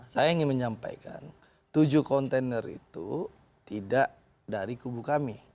saya ingin menyampaikan tujuh kontainer itu tidak dari kubu kami